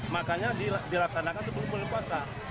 makanya dilaksanakan sebelum bulan puasa